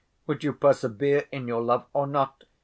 Would you persevere in your love, or not?